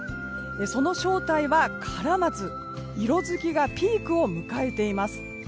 その正体はカラマツ。色づきがピークを迎えています。